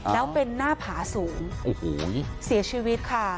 แล้วเป็นหน้าผาสูงโอ้โหเสียชีวิตค่ะ